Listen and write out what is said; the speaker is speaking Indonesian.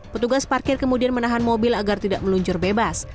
petugas parkir kemudian menahan mobil agar tidak meluncur bebas